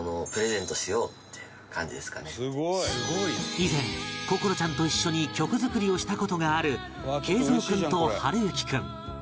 以前心愛ちゃんと一緒に曲作りをした事がある桂三君と暖之君